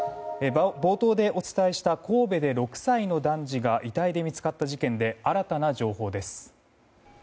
冒頭でお伝えした神戸で６歳の男児が遺体で見つかった事件で新たな情報です。